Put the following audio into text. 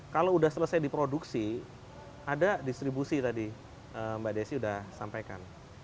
kalau sudah selesai diproduksi ada distribusi tadi mbak desi sudah sampaikan